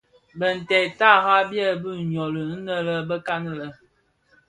Binted tara byèbi nyoli inë bekan lè.